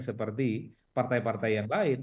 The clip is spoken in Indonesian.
seperti partai partai yang lain